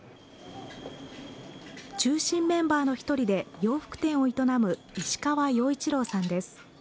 中心メンバーの１人で洋服店を営む石河陽一郎さんです。